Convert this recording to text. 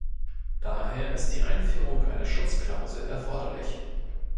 Daher ist die Einführung einer Schutzklausel erforderlich.